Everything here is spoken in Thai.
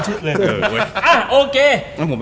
นี่แบบชื่อคงมา